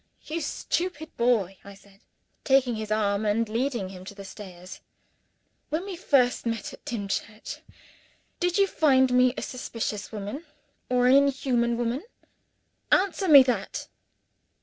"You stupid boy," I said, taking his arm, and leading him to the stairs. "When we first met at Dimchurch did you find me a suspicious woman or an inhuman woman? Answer me that!"